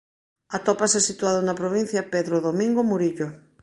Atópase situado na Provincia Pedro Domingo Murillo.